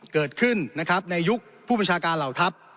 เกิดขึ้นนะครับในยุคผู้บัญชาการเหล่าทัพ